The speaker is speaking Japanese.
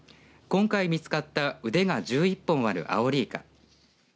今回見つかった腕が１１本あるアオリイカ。